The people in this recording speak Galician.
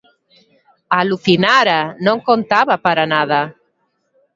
Alucinara, non contaba para nada.